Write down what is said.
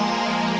ada lima siapa